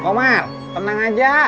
pak omar tenang aja